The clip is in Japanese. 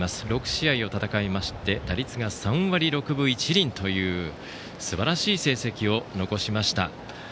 ６試合を戦いまして打率が３割６分１厘というすばらしい成績を残しました。